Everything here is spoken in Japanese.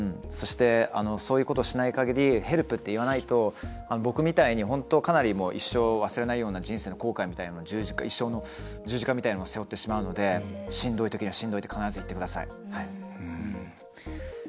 そういうことをしないかぎりヘルプって言わないと僕みたいに本当かなり一生忘れられないような人生の後悔一生の十字架みたいなのを背負ってしまうのでしんどいときはしんどいってちゃんと言ってください。